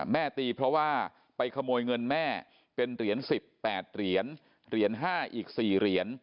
แม่ตีเพราะว่าไปขโมยเงินแม่เป็นเหรียญ๑๘เหรียญเหรียญ๕อีก๔เหรียญ